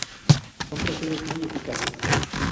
Son procesos muy eficaces.